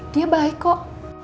dia baik kok